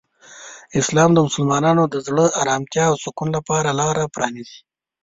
اسلام د مسلمانانو د زړه آرامتیا او سکون لپاره لاره پرانیزي.